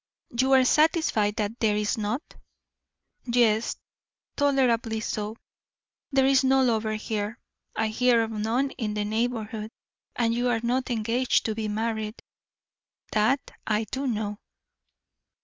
"You are satisfied that there is not?" "Yes, tolerably so. There is no lover here; I hear of none in the neighborhood. And you are not engaged to be married that I do know!"